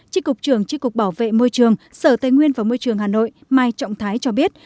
tri cục trưởng tri cục bảo vệ môi trường sở tây nguyên và môi trường hà nội mai trọng thái cho biết